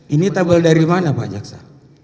ini tabel dari mana pak jaksa